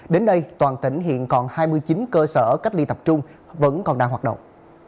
đến nay toàn tỉnh hiện còn hai mươi chín cơ sở cách ly tập trung vẫn còn đang hoạt động